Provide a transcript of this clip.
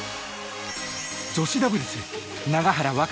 女子ダブルス永原和